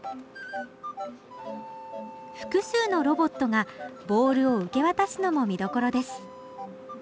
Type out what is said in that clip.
複数のロボットがボールを受け渡すのも見どころです